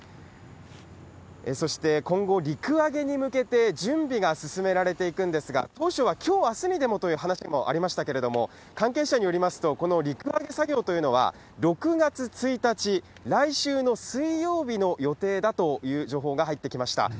そして今後、陸揚げに向けて準備が進められていくんですが、当初はきょう、あすにでもという話もありましたけれども、関係者によりますと、この陸揚げ作業というのは６月１日、来週の水曜日の予定だという情報が入ってきました。